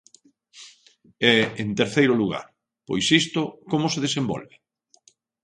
E, en terceiro lugar, pois isto ¿como se desenvolve?